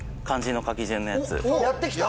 やってきた！